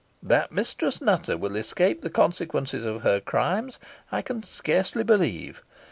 That Mistress Nutter will escape the consequences of her crimes, I can scarcely believe.